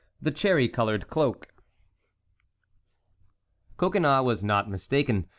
THE CHERRY COLORED CLOAK. Coconnas was not mistaken.